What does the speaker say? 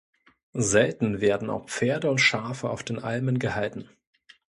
Selten werden auch Pferde und Schafe auf den Almen gehalten.